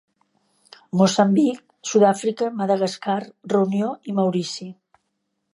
Moçambic, Sud-àfrica, Madagascar, Reunió i Maurici.